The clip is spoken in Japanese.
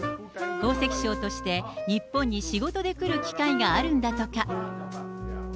宝石商として、日本に仕事で来る機会があるんだとか。